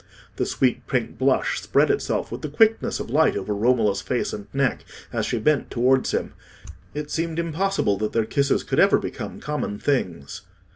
The sweet pink blush spread itself with the quickness of light over Romola's face and neck as she bent towards him. It seemed impossible that their kisses could ever become common things.